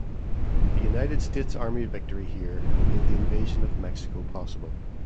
The United States Army victory here made the invasion of Mexico possible.